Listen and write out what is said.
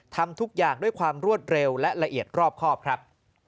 ทำทุกอย่างด้วยความรวดเร็วและละเอียดรอบครอบครับ